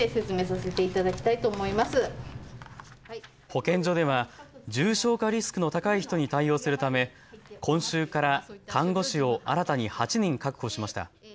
保健所では重症化リスクの高い人に対応するため今週から看護師を新たに８人確保しました。